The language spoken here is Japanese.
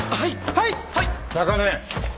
はい。